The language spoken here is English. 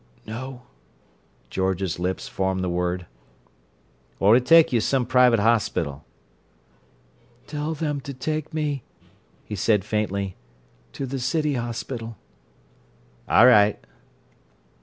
"No." George's lips formed the word. "Or to take you to some private hospital?" "Tell them to take me," he said faintly, "to the City Hospital." "A' right."